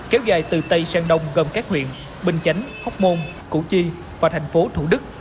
kéo dài từ tây sang đông gồm các huyện bình chánh hóc môn củ chi và thành phố thủ đức